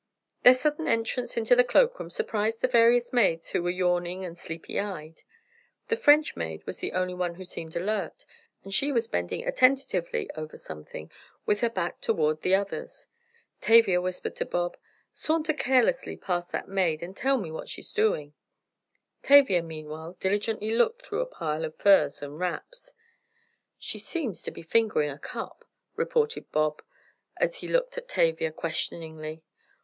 Their sudden entrance into the cloakroom surprised the various maids who were yawning and sleepy eyed. The French maid was the only one who seemed alert, and she was bending attentively over something, with her back toward the others. Tavia whispered to Bob: "Saunter carelessly past that maid, and tell me what she's doing," Tavia meanwhile diligently looking through a pile of furs and wraps. "She seems to be fingering a cup," reported Bob, as he looked at Tavia, questioningly.